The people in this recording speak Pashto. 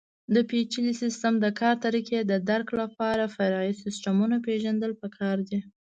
د پېچلي سیسټم د کار طریقې د درک لپاره فرعي سیسټمونه پېژندل پکار دي.